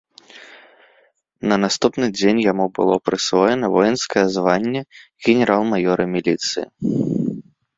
На наступны дзень яму было прысвоена воінскае званне генерал-маёра міліцыі.